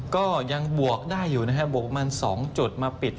ก็ยังบวกได้อยู่นะครับบวกมัน๒จุดมาปิด